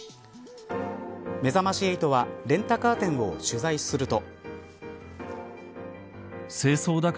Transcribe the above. めざまし８はレンタカー店を取材すると。